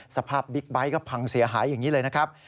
บิ๊กไบท์ก็พังเสียหายอย่างนี้เลยนะครับ